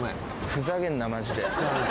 ふざけんなマジで。